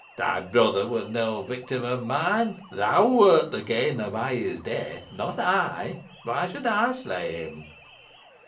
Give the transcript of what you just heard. Thy brother was no victim of mine. Thou wert the gainer by his death, not I. Why should I slay him?"